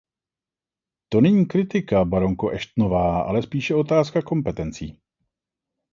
To není kritika, baronko Ashtonová, ale spíše otázka kompetencí.